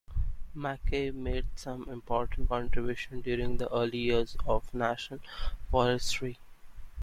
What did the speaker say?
MacKaye made some important contributions during the early years of national forestry.